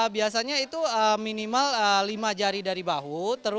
biasanya itu minimal lima jari dari bahu